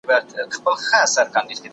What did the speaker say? دا به د بزګرانو ستونزې حل کړي.